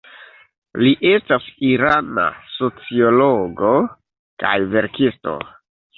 Li estas irana sociologo kaj verkisto.